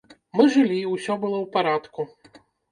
Мы жылі, усё было ў парадку.